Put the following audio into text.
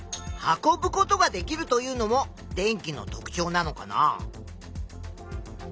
運ぶことができるというのも電気の特ちょうなのかなあ。